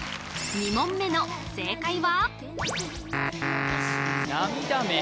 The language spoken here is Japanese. ４問目の正解は？